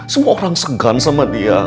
semua orang segan sama dia